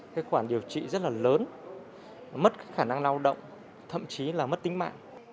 cái khoản điều trị rất là lớn mất khả năng lao động thậm chí là mất tính mạng